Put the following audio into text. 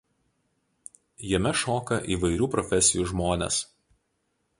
Jame šoka įvairių profesijų žmonės.